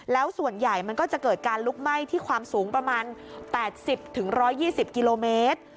แล้วส่วนใหญ่มันก็จะเกิดการลุกไหม้ที่ความสูงประมาณ๘๐๑๒๐กิโลเมตร